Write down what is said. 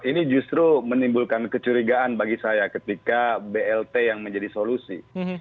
ini justru menimbulkan kecurigaan bagi saya ketika blt yang menjadi solusi